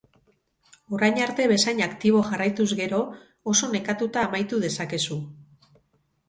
Orain arte bezain aktibo jarraituz gero, oso nekatuta amaitu dezakezu.